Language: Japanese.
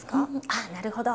ああなるほど。